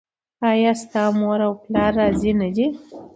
ایا ستاسو مور او پلار راضي نه دي؟